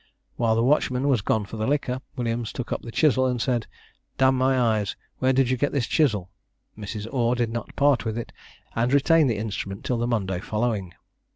While the watchman was gone for the liquor, Williams took up the chisel, and said, "D n my eyes, where did you get this chisel?" Mrs. Orr did not part with it, and retained the instrument till the Monday following.